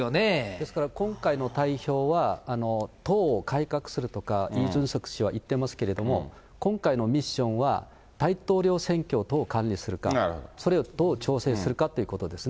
ですから、今回の代表は、党を改革するとか、イ・ジュンソク氏は言ってますけれども、今回のミッションは、大統領選挙をどう管理するか、それをどう調整するかっていうことですね。